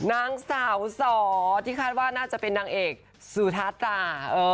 นางสาวสอที่คาดว่าน่าจะเป็นนางเอกสุธาตา